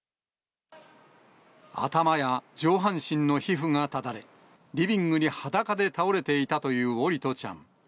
頭や上半身の皮膚がただれ、リビングに裸で倒れていたという桜利斗ちゃん。